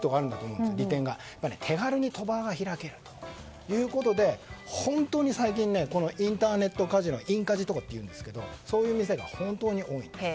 手軽に賭場が開けるということで本当に最近インターネットカジノインカジとか言うんですけどそういう店が本当に多いんです。